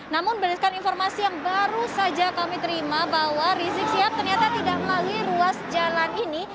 namun berdasarkan informasi yang baru saja kami terima bahwa rizik sihab ternyata tidak melalui ruas jalan ini